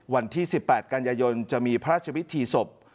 วันที่๑๘กันยายนจะมีพระราชพิธีศพ